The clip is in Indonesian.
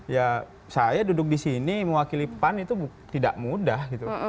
ya saya duduk di sini mewakili pan itu tidak mudah gitu